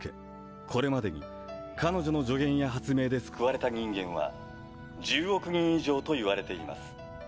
これまでに彼女の助言や発明で救われた人間は１０億人以上と言われています。